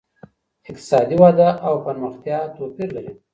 اقتصادي وده او پرمختيا توپير لري.